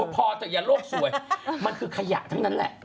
พอเถอะอย่าโลกสวยมันคือขยะทั้งนั้นแหละ